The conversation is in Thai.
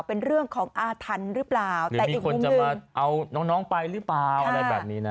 เป็นเรื่องของอาทันหรือเปล่าหรือมีคนจะมาเอาน้องไปหรือเปล่าอะไรแบบนี้นะ